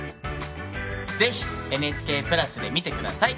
是非ＮＨＫプラスで見て下さい。